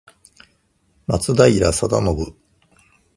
松平定信